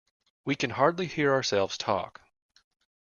We can hardly hear ourselves talk.